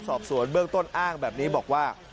สอบสวนเบื้องต้นอ้างแบบนี้บอกว่า